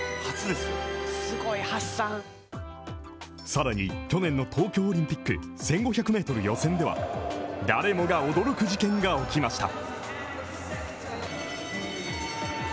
更に去年の東京オリンピック１５００ｍ予選では誰もが驚く事件が起きました。